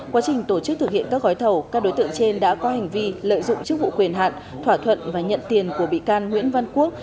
quá trình tổ chức thực hiện các gói thầu các đối tượng trên đã có hành vi lợi dụng chức vụ quyền hạn thỏa thuận và nhận tiền của bị can nguyễn văn quốc